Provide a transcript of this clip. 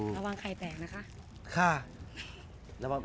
ระวังไข่แตกนะคะ